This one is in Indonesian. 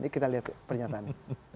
ini kita lihat pernyataan ini